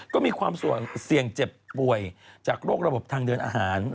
ก็มีความเสี่ยงเจ็บป่วยจากโรคระบบทางเดินอาหาร